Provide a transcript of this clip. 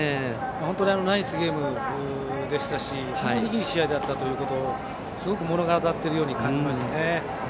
本当にナイスゲームでしたし本当にいい試合だったというのをすごく物語っているような感じがしました。